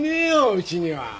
うちには。